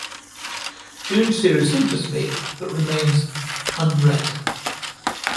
Dune series interests me, but remains unread.